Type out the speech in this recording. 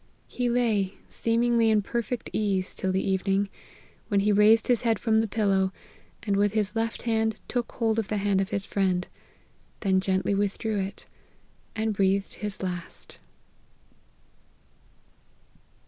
He lay, seemingly in perfect ease, till the evening ; when he raised his head from the pillow, and with his left hand took hold of the hand of his friend then gently withdrew it and breathed his last."